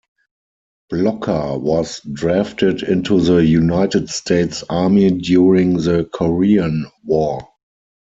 Blocker was drafted into the United States Army during the Korean War.